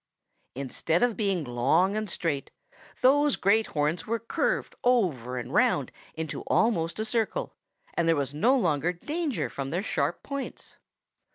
"Instead of being long and straight, those great horns were curved over and round into almost a circle, and there was no longer danger from their sharp points.